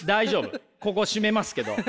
ここ締めますけど。